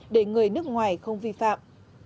để người nước ngoài không vi phạm